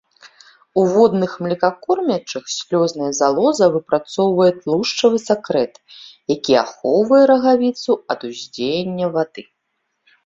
У водных млекакормячых слёзная залоза выпрацоўвае тлушчавы сакрэт, які ахоўвае рагавіцу ад уздзеяння вады.